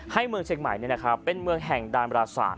เมืองเชียงใหม่เป็นเมืองแห่งดานราศาสต